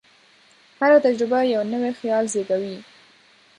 هره تجربه یو نوی خیال زېږوي.